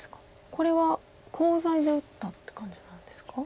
これはコウ材で打ったって感じなんですか？